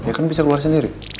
ya kan bisa keluar sendiri